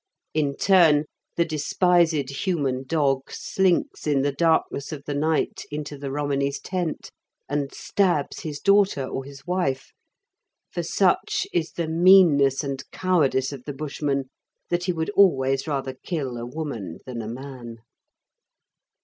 In turn, the despised human dog slinks in the darkness of the night into the Romany's tent, and stabs his daughter or his wife, for such is the meanness and cowardice of the Bushman that he would always rather kill a woman than a man.